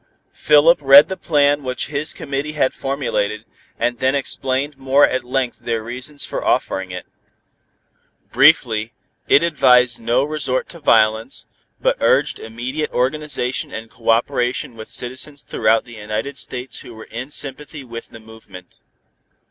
Philip read the plan which his committee had formulated, and then explained more at length their reasons for offering it. Briefly, it advised no resort to violence, but urged immediate organization and cooperation with citizens throughout the United States who were in sympathy with the movement.